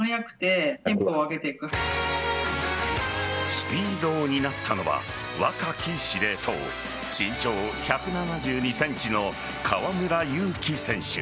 スピードを担ったのは若き司令塔身長１７２ｃｍの河村勇輝選手。